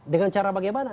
dengan cara bagaimana